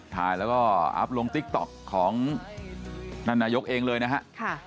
ถ่ายแล้วก็อัพลงของนานนายกเองเลยนะฮะค่ะ